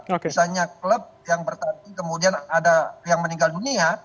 misalnya klub yang bertanding kemudian ada yang meninggal dunia